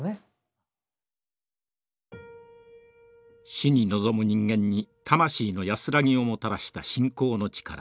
死に臨む人間に魂の安らぎをもたらした信仰の力。